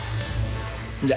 じゃあ。